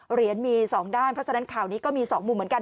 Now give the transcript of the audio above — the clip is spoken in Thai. เหรียญมี๒ด้านเพราะฉะนั้นข่าวนี้ก็มี๒มุมเหมือนกัน